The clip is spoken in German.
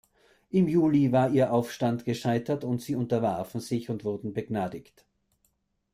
Im Juli war ihr Aufstand gescheitert und sie unterwarfen sich und wurden begnadigt.